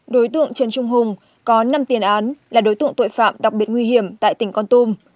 đối tượng trần trung hùng có năm tiền án là đối tượng tội phạm đặc biệt nguy hiểm tại tỉnh con tum